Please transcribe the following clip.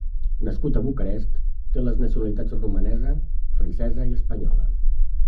Nascut a Bucarest, té les nacionalitats romanesa, francesa, i espanyola.